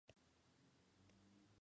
Les Avanchers-Valmorel